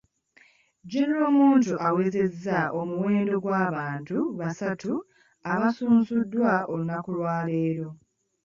General Muntu awezezza omuwendo gw'abantu basatu abasunsuddwa olunaku lwaleero,